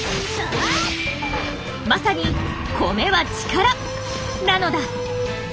まさに「米は力」なのだ。